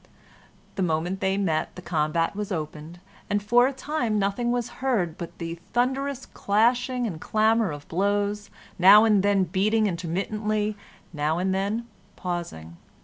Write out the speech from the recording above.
The moment they met, the combat was opened, and for a time nothing was heard but the thunderous clashing and clamor of blows, now and then beating intermittently, now and then pausing.